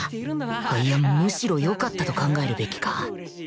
いやむしろよかったと考えるべきか